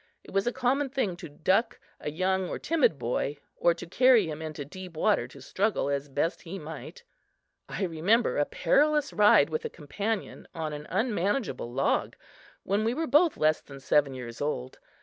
It was a common thing to "duck" a young or timid boy or to carry him into deep water to struggle as best he might. I remember a perilous ride with a companion on an unmanageable log, when we were both less than seven years old.